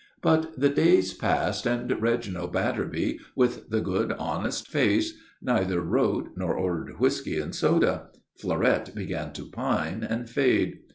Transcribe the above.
But the days passed, and Reginald Batterby, with the good, honest face, neither wrote nor ordered whisky and soda. Fleurette began to pine and fade.